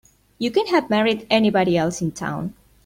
You could have married anybody else in town.